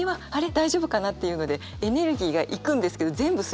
大丈夫かなっていうのでエネルギーがいくんですけど全部すれ違って。